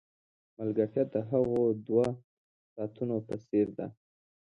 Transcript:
ملګرتیا د هغو دوو ساعتونو په څېر ده.